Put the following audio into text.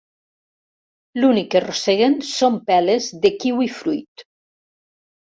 L'únic que roseguen són peles de kiwifruit.